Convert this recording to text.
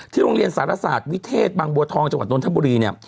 ที่โรงเรียนศาลศาสตร์วิเทศบางบัวทองจังหวัดนนทบุรี